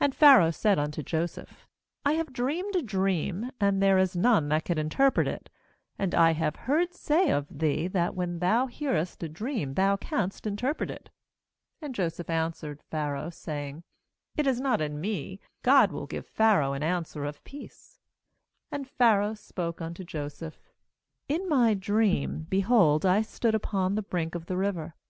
15And Pharaoh said unto Joseph: 'I have dreamed a dream, and there is none that can interpret it; and I have heard say of thee, that when thou nearest a dream thou canst interpret it.' 16And Joseph answered Pharaoh, saying: 'It is not in me; God will give Pharaoh an 17And Pharaoh 'In my dream, answer spoke unto behold, I stood upon the brink of the river.